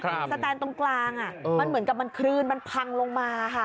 สแตนตรงกลางอ่ะมันเหมือนกับมันคลื่นมันพังลงมาค่ะ